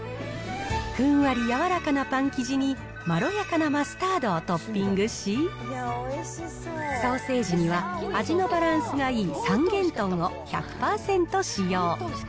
ふんわり柔らかなパン生地にまろやかなマスタードをトッピングし、ソーセージには味のバランスがいい三元豚を１００％使用。